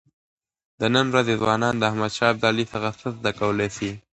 د نن ورځې ځوانان د احمد شاه ابدالي څخه څه زده کولی سي؟